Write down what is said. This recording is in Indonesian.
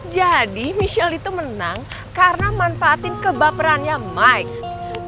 jadi michelle itu menang karena manfaatin kebaperannya mike